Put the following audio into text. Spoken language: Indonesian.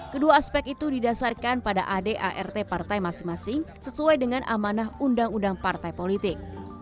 kedua aspek itu didasarkan pada adart partai masing masing sesuai dengan amanah undang undang partai politik